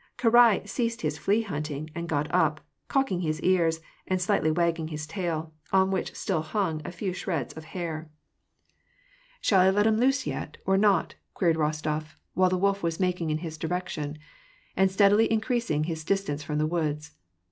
Karai ceased his flea hunting, and got up, cock ing his ears, and slightly wagging his tail, on which stul hung a few shreds of hair. 260 WAR AND PEACE. " Shall I let 'em loose yet, or not ?" queried Bostof ; while the wolf was making in his direction, and steadily increasing his distance from the woods.